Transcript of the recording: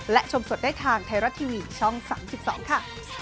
และชมสดได้ทางไทยรัฐทีวีช่อง๓๒ค่ะ